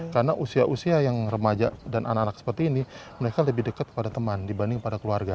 karena usia usia yang remaja dan anak anak seperti ini mereka lebih dekat kepada teman dibanding kepada keluarga